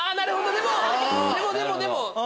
でもでもでも。